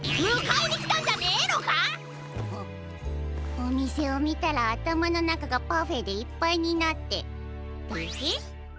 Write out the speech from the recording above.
おみせをみたらあたまのなかがパフェでいっぱいになっててへっ！